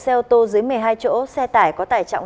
xe ô tô dưới một mươi hai chỗ xe tải có tải trọng